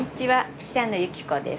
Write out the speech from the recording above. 平野由希子です。